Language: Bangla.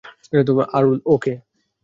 আরুল, ও কে?